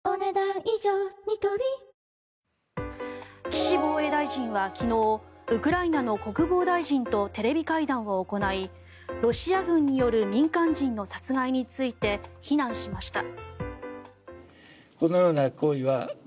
岸防衛大臣は昨日ウクライナの国防大臣とテレビ会談を行いロシア軍による民間人の殺害について非難しました。